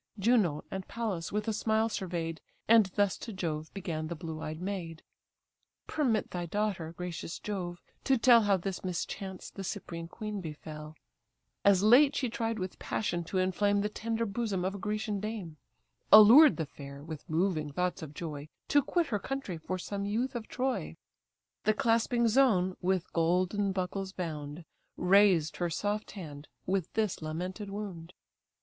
Juno and Pallas with a smile survey'd, And thus to Jove began the blue eyed maid: "Permit thy daughter, gracious Jove! to tell How this mischance the Cyprian queen befell, As late she tried with passion to inflame The tender bosom of a Grecian dame; Allured the fair, with moving thoughts of joy, To quit her country for some youth of Troy; The clasping zone, with golden buckles bound, Razed her soft hand with this lamented wound."